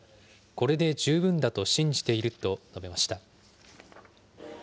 これで十分だと信じていると述べました。